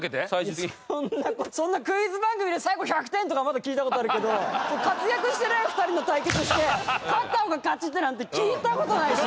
クイズ番組で最後１００点とかはまだ聞いた事あるけど活躍してない２人の対決して勝った方が勝ちなんて聞いた事ないし！